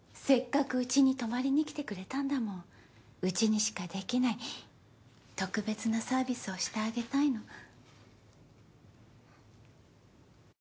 せっかくうちに泊まりにきてくれたんだもんうちにしかできない特別なサービスをしてあげたいの。